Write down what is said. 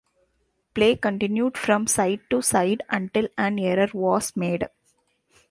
Play continued from side to side until an error was made.